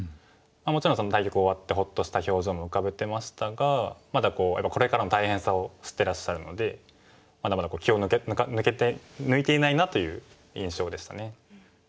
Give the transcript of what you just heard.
もちろん対局終わってほっとした表情も浮かべてましたがまだやっぱりこれからの大変さを知ってらっしゃるのでまだまだ気を抜いていないなという印象でしたね。